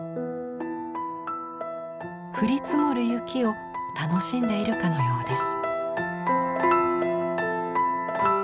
降り積もる雪を楽しんでいるかのようです。